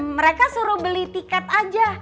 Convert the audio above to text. mereka suruh beli tiket aja